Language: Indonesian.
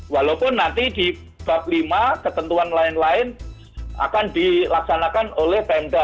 walaupun nanti di bab lima ketentuan lain lain akan dilaksanakan oleh pemda